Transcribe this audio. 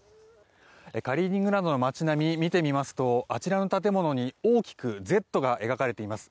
カリーニングラードの街並みを見てみますとあちらの建物に大きく「Ｚ」が描かれています。